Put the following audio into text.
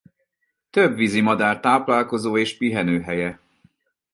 Több vízi madár táplálkozó és pihenő helye.